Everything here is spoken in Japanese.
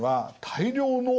大量の？